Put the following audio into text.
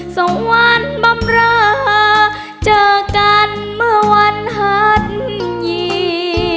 สวรรค์บำราเจอกันเมื่อวันหันยี